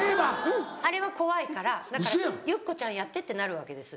うんあれも怖いからだから「ゆっこちゃんやって」ってなるわけです。